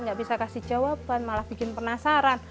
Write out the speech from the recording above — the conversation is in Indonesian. nggak bisa kasih jawaban malah bikin penasaran